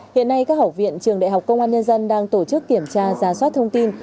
hiện nay các học viện trường đại học công an nhân dân đang tổ chức kiểm tra giá soát thông tin